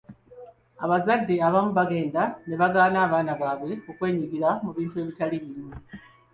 Abazadde abamu bagenda ne bagaana abaana baabwe okwenyigira mu bintu ebitali bimu.